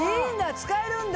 使えるんだ！